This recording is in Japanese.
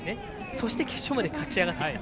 そして決勝まで勝ち上がってきた。